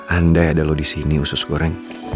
andai ada lo disini usus goreng